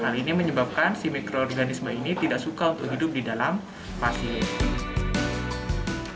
hal ini menyebabkan si mikroorganisme ini tidak suka untuk hidup di dalam pasir